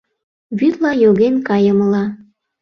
— Вӱдла йоген кайымыла...